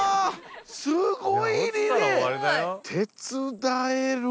すごいリレー！